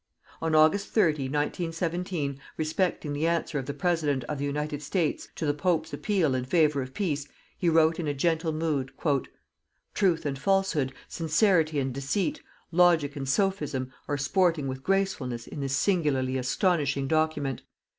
On August 30, 1917, respecting the answer of the President of the United States to the Pope's appeal in favour of peace, he wrote in a gentle mood: "_Truth and falsehood, sincerity and deceit, logic and sophism are sporting with gracefulness in this singularly astonishing document.